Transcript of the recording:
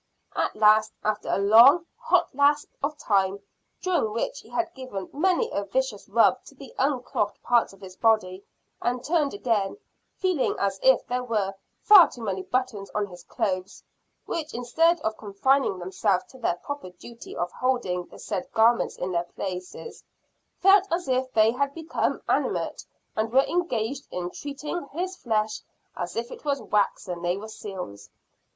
At last, after a long hot lapse of time, during which he had given many a vicious rub to the unclothed parts of his body, and turned again, feeling as if there were far too many buttons on his clothes, which instead of confining themselves to their proper duty of holding the said garments in their places, felt as if they had become animate and were engaged in treating his flesh as if it was wax and they were seals.